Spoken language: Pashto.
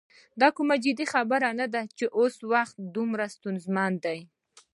دا کومه جدي خبره نه ده چې اوس وخت څومره ستونزمن دی.